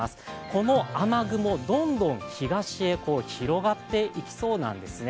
この雨雲、どんどん東へ広がっていきそうなんですね。